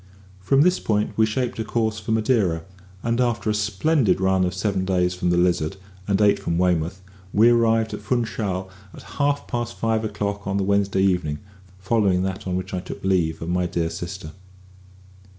From this point we shaped a course for Madeira, and after a splendid run of seven days from the Lizard and eight from Weymouth we arrived at Funchal at half past five o'clock on the Wednesday evening following that on which I took leave of my dear sister.